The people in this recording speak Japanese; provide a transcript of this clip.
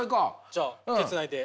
じゃあ手ぇつないで。